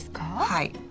はい。